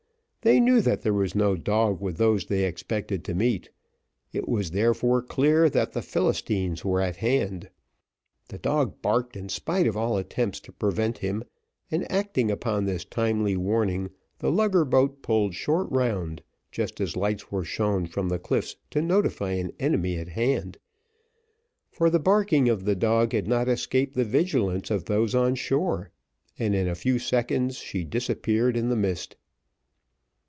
They knew that there was no dog with those they expected to meet, it was therefore clear that the Philistines were at hand. The dog barked in spite of all attempts to prevent him, and acting upon this timely warning, the lugger boat pulled short round, just as lights were shown from the cliffs to notify an enemy at hand, for the barking of the dog had not escaped the vigilance of those on shore, and in a few seconds she disappeared in the mist.